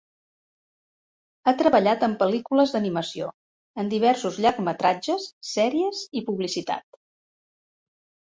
Ha treballat en pel·lícules d'animació, en diversos llargmetratges, sèries i publicitat.